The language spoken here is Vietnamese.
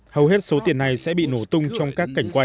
hầu hết số tiền này sẽ bị nổ tung trong các cảnh quay